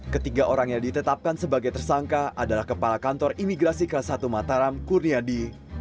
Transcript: ketiga orang yang ditetapkan sebagai tersangka adalah kepala kantor imigrasi kelas satu mataram kurniadi